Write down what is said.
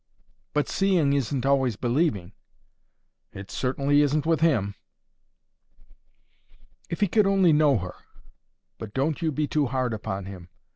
"But seeing isn't always believing." "It certainly isn't with him." "If he could only know her! But don't you be too hard upon him.